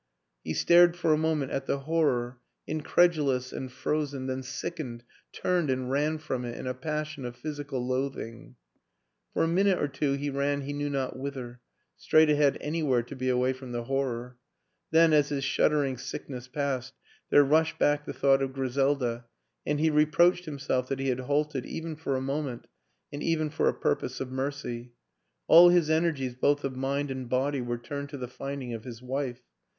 He stared 132 WILLIAM AN ENGLISHMAN for a moment at the horror, incredulous and frozen then sickened, turned and ran from it in a passion of physical loathing. For a minute or two he ran he knew not whither straight ahead, anywhere to be away from the horror; then, as his shuddering sickness passed, there rushed back the thought of Griselda, and he reproached himself that he had halted even for a moment and even for a purpose of mercy; all his energies both of mind and body were turned to the finding of his wife.